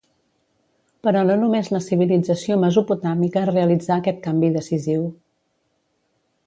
Però no només la civilització mesopotàmica realitzà aquest canvi decisiu.